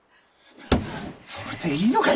それでいいのかよ